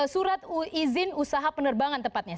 surat izin usaha penerbangan tepatnya